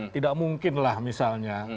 tidak mungkin lah misalnya